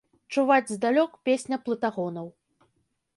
Чуваць здалёк песня плытагонаў.